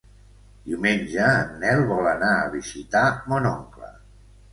Diumenge en Nel vol anar a visitar mon oncle.